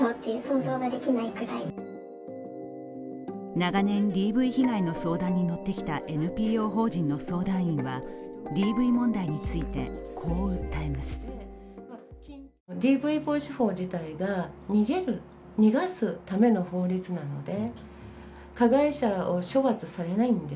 長年ＤＶ被害の相談に乗ってきたＮＰＯ法人の相談員はＤＶ問題についてこう訴えます。